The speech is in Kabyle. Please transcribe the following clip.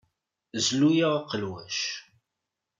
Zlu-aɣ aqelwac.